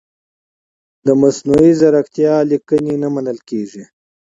د مصنوعي ځیرکتیا لیکنې نه منل کیږي.